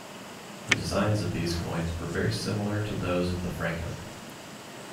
The designs of these coins were very similar to those of the franco.